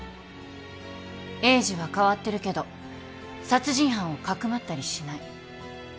栄治は変わってるけど殺人犯をかくまったりしない。